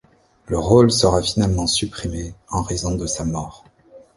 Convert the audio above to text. Le rôle sera finalement supprimé en raison de sa mort.